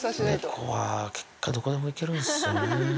猫は結果、どこでも行けるんですよね。